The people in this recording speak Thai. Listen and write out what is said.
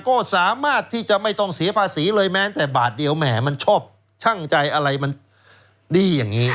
ก็สามารถที่จะไม่ต้องเสียภาษีเลยแม้แต่บาทเดียวแหมมันชอบช่างใจอะไรมันดีอย่างนี้